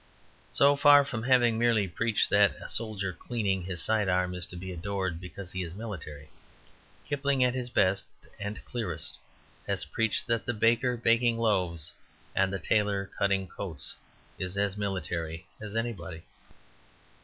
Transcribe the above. So far from having merely preached that a soldier cleaning his side arm is to be adored because he is military, Kipling at his best and clearest has preached that the baker baking loaves and the tailor cutting coats is as military as anybody.